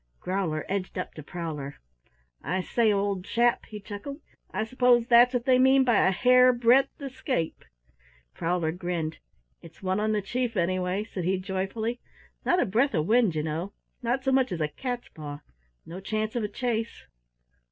Growler edged up to Prowler. "I say, old chap," he chuckled, "I s'pose that's what they mean by a hare breadth escape?" Prowler grinned. "It's one on the Chief, anyway," said he joyfully. "Not a breath of wind, ye know, not so much as a cats paw no chance of a chase."